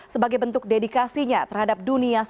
sebagai bentuk dedikasinya terhadap dunia